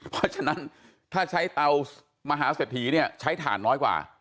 เพราะฉะนั้นถ้าใช้เตามหาเศรษฐีเนี่ยใช้ถ่านน้อยกว่า